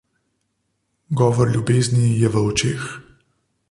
Govor ljubezni je v očeh.